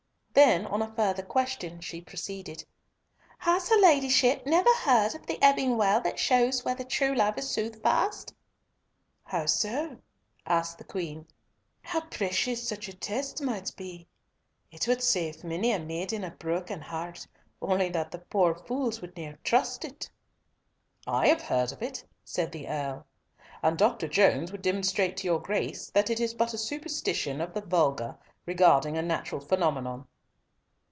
Then, on a further question, she proceeded, "Has her ladyship never heard of the Ebbing Well that shows whether true love is soothfast?" "How so?" asked the Queen. "How precious such a test might be. It would save many a maiden a broken heart, only that the poor fools would ne'er trust it." "I have heard of it," said the Earl, "and Dr. Jones would demonstrate to your Grace that it is but a superstition of the vulgar regarding a natural phenomenon."